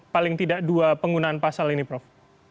paling tidak dua penggunaan pasal ini prof